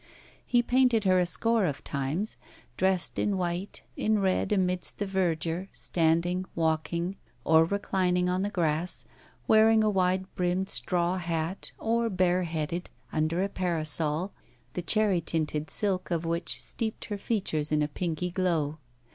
He painted her a score of times, dressed in white, in red, amidst the verdure, standing, walking, or reclining on the grass, wearing a wide brimmed straw hat, or bare headed, under a parasol, the cherry tinted silk of which steeped her features in a pinky glow.